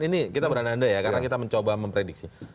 ini kita berandai ya karena kita mencoba memprediksi